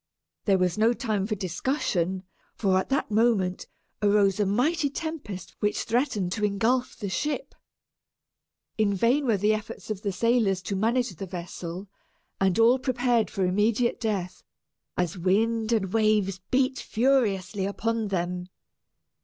There was no time for discussion, for, at that moment, arose a mighty tempest which threatened to engulf the ship. In vain were the efforts of the sailors to manage the vessel, and all prepared for immediate death, as wind and waves beat furiously upon them.